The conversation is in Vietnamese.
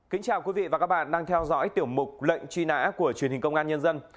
kính chào quý vị và các bạn đang theo dõi tiểu mục lệnh truy nã của truyền hình công an nhân dân